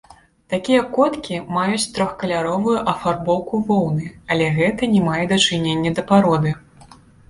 Такія коткі маюць трохкаляровую афарбоўку воўны, але гэта не мае дачынення да пароды.